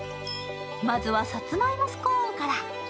まずは、さつまいもスコーンから。